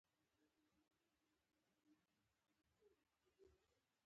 رومیان له وازګو پاکېږي